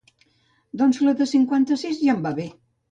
Doncs la de cinquanta-sis ja em va bé.